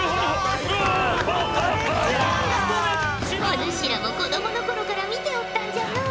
お主らも子供の頃から見ておったんじゃのう。